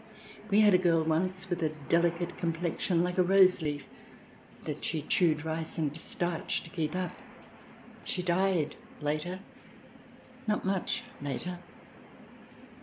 We had a girl once with a delicate complexion like a rose leaf, that she chewed rice and starch to keep up. She died later — not much later.